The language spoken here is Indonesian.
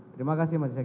terima kasih mas saksi